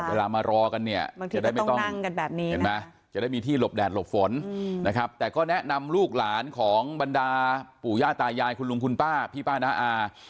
เวลามารอกันเนี่ยจะได้มีที่หลบแดดหลบฝนแนะนำลูกหลานของบรรดาปู่ย่าตายายคุณลุงคุณป้าพี่ป้าน้าอ่า